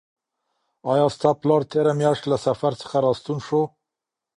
آیا ستا پلار تېره میاشت له سفر څخه راستون شو؟